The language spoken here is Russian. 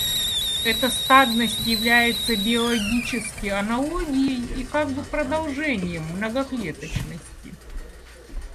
Эта стадность является биологически аналогией и как бы продолжением многоклеточности.